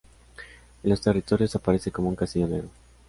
En los Territorios aparece como un castillo negro.